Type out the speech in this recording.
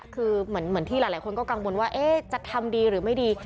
คือเหมือนที่หลายคนก็กังวลว่าจะทำดีหรือไม่ดี